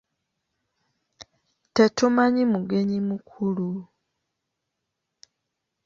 Tetumanyi mugenyi mukulu.